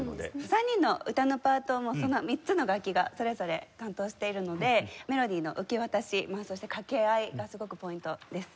３人の歌のパートは３つの楽器がそれぞれ担当しているのでメロディーの受け渡しそして掛け合いがすごくポイントです。